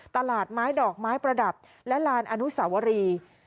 ตลาดไม้ดอกไม้ประดับและลานอนุสาวรี